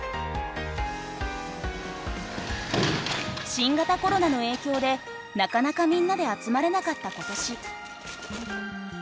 新型コロナの影響でなかなかみんなで集まれなかった今年。